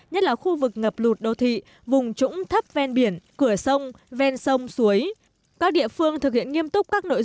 nhất là khu vực ngập lụt đô thị vùng trũng thấp ven biển cửa sông ven sông suối